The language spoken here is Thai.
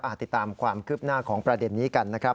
ติดตามความคืบหน้าของประเด็นนี้กันนะครับ